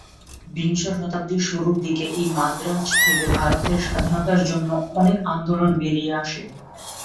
বিংশ শতাব্দীর শুরুর দিকে এই মাদ্রাজ থেকে ভারতের স্বাধীনতার জন্য অনেক আন্দোলন বেরিয়ে আসে।